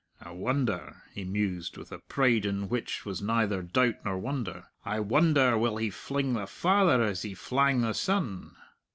I wonder," he mused, with a pride in which was neither doubt nor wonder "I wonder will he fling the father as he flang the son!"